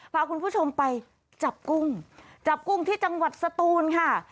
พาคุณผู้ชมไปจับกุ้งจับกุ้งที่จังหวัดสตูนค่ะ